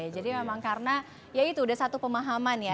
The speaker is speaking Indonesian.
jadi memang karena ya itu udah satu pemahaman ya